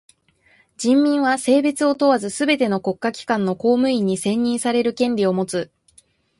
人民は性別を問わずすべての国家機関の公務員に選任される権利をもつ。